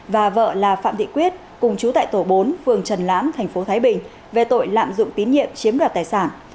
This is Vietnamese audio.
và vợ là phạm thị quyết cùng chú tại tổ bốn phường trần lãng tp thái bình về tội lạm dụng tín nhiệm chiếm đoạt tài sản